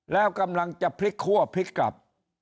แล้วกำลังจะพลิกคั่วพลิกกลับ